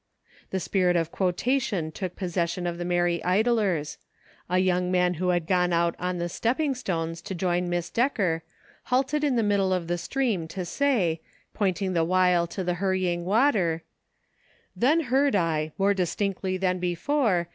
The spirit of quotation took possession of the merry idlers ; a young man who had gone out on the "stepping stones" to join Miss Decker halted in the middle of the stream to say, pointing the while to the hurrying water : Then heard I, more distinctly than before.